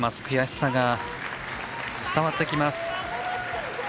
悔しさが伝わってきます。